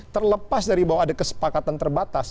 terlepas dari bahwa ada kesepakatan terbatas